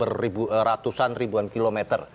ratusan ribuan kilometer